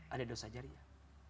ada dosa jariah